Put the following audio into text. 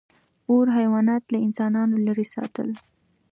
• اور حیوانات له انسانانو لرې ساتل.